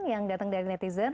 yang datang dari netizen